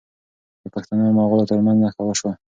د پښتنو او مغلو ترمنځ نښته وشوه.